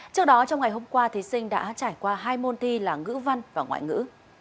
trước đó trong ngày hôm qua thí sinh đã trải qua hai môn thi là ngữ văn và ngoại ngữ